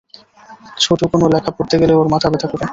ছোটো কোনো লেখা পড়তে গেলে ওর মাথা ব্যথা করে।